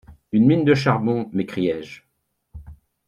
Une mine de charbon ! m’écriai-je.